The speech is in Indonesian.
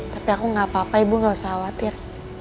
tapi aku gak apa apa ibu gak usah khawatir